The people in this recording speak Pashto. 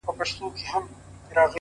زړه سوي عملونه اوږد مهاله اثر لري؛